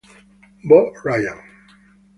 Bo Ryan